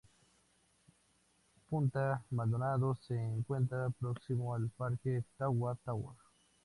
Punta Maldonado se encuentra próximo al Parque Tagua Tagua.